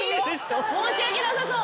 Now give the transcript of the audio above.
申し訳なさそう。